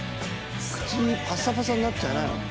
口パッサパサになっちゃわないの？